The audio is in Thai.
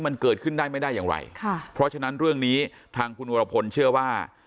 มันเกิดขึ้นได้ไม่ได้อย่างไรค่ะเพราะฉะนั้นเรื่องนี้ทางคุณวรพลเชื่อว่า